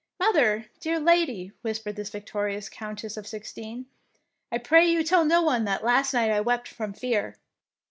" Mother, dear lady," whispered this victorious Countess of sixteen, " I pray you tell no one that last night I wept from fear